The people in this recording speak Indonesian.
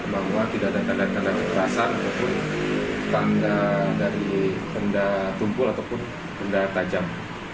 bahwa tidak ada tanda tanda kekerasan ataupun tanda dari benda tumpul ataupun benda tajam